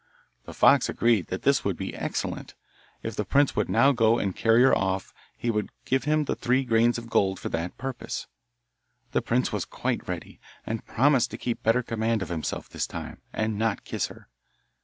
The fox agreed that this would be excellent; if the prince would now go and carry her off he would give him three grains of gold for that purpose. The prince was quite ready, and promised to keep better command of himself this time, and not kiss her.